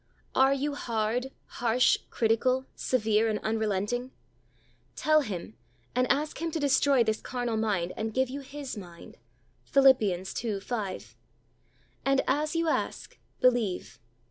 Are you hard, harsh, critical, severe and unrelenting? Tell Him and ask Him to destroy this carnal mind and give you His mind. (Phil. 2: 5.) And as you ask, believe.